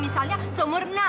misalnya seumur nak